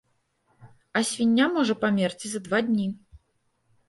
А свіння можа памерці за два дні.